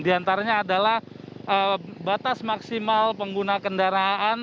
di antaranya adalah batas maksimal pengguna kendaraan